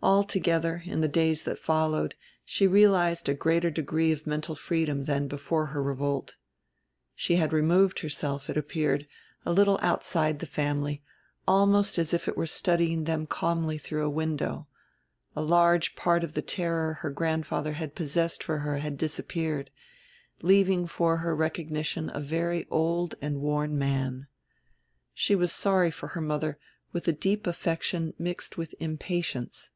Altogether, in the days that followed, she realized a greater degree of mental freedom than before her revolt. She had removed herself, it appeared, a little outside the family, almost as if she were studying them calmly through a window: a large part of the terror her grandfather had possessed for her had disappeared, leaving for her recognition a very old and worn man; she was sorry for her mother with a deep affection mixed with impatience.